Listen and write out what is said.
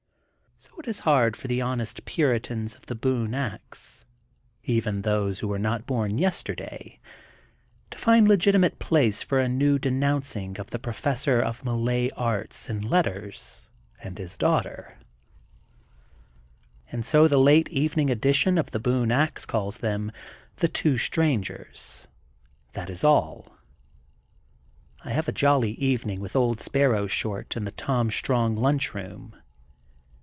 So it is hard for the honest puritans of The Boone Ax, even those who were not bom yes terday, to find legitimate place for a new de nouncing of the Professor of Malay Arts and Letters and his daughter. And so the late THE GOLDEN BOOK OF SPRINGFIELD 206 evening edition of The Boone Ax calls them the two strangers." That is all. I have a jolly evening with Old Sparrow Short in the Tom Strong Lunch Boom.